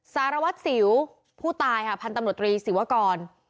สารวัตรศิลป์ผู้ตายค่ะพันธรรมดรีศิวากร